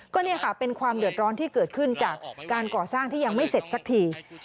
ก็เนี่ยค่ะเป็นความเดือดร้อนที่เกิดขึ้นจากการก่อสร้างที่ยังไม่เสร็จสักที